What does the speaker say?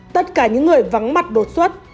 tất cả những người vắng mặt đột xuất